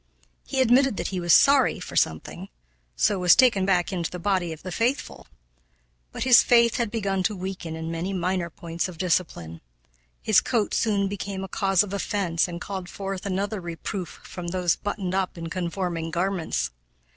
He admitted that he was "sorry" for something, so was taken back into the body of the faithful! But his faith had begun to weaken in many minor points of discipline. His coat soon became a cause of offense and called forth another reproof from those buttoned up in conforming garments.